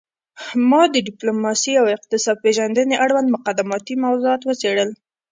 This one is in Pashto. ما د ډیپلوماسي او اقتصاد پیژندنې اړوند مقدماتي موضوعات وڅیړل